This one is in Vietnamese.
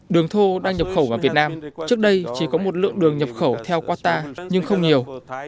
đường thô đang nhập khẩu vào việt nam trước đây chỉ có một lượng đường nhập khẩu theo qatar nhưng không nhiều